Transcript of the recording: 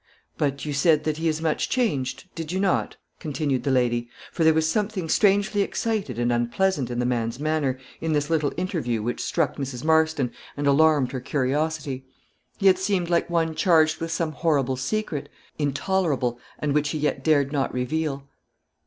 "But, you said that he is much changed did you not?" continued the lady; for there was something strangely excited and unpleasant in the man's manner, in this little interview, which struck Mrs. Marston, and alarmed her curiosity. He had seemed like one charged with some horrible secret intolerable, and which he yet dared not reveal.